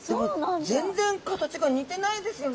でも全然形が似てないですよね。